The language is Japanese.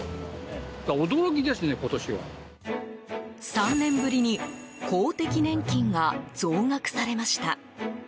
３年ぶりに公的年金が増額されました。